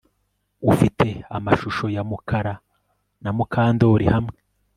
Ufite amashusho ya Mukara na Mukandoli hamwe